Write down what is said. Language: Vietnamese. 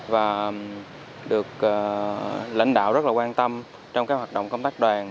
và được lãnh đạo rất là quan tâm trong các hoạt động công tác đoàn